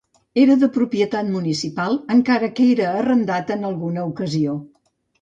Era de propietat municipal, encara que era arrendat en alguna ocasió.